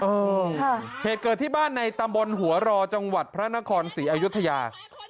เหตุเกิดที่บ้านในตำบลหัวรอจังหวัดพระนครศรีอายุทยา